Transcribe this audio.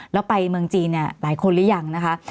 แล้วไปเมืองจีนหลายคนหรือยังนะคะ